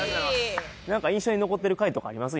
何か印象に残ってる回とかあります？